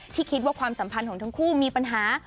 คิดว่าความสัมพันธ์ของทั้งคู่มีปัญหา